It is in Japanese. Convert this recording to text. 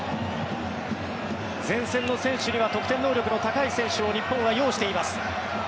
前線の選手には得点能力の高い選手を日本は擁しています。